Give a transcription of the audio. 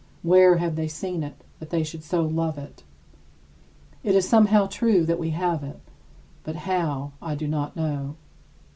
Where have they seen it that they should so love it? It is somehow true that we have it, but how I do not know.